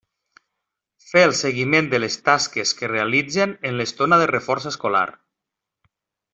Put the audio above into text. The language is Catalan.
Fer el seguiment de les tasques que realitzin en l'estona del reforç escolar.